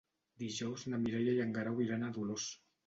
Dijous na Mireia i en Guerau iran a Dolors.